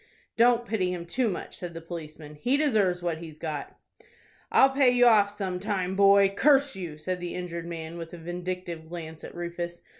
"Don't pity him too much," said the policeman; "he deserves what he's got." "I'll pay you off some time, boy, curse you!" said the injured man, with a vindictive glance at Rufus.